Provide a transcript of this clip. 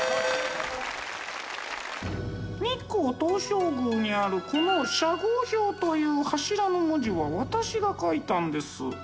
日光東照宮にあるこの社号標という柱の文字は私が書いたんです。